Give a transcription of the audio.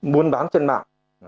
muốn bán trên mạng